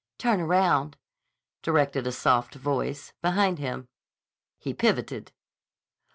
"Turn around," directed a soft voice behind him. He pivoted.